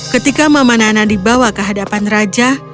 ketika mama nana dibawa ke hadapan raja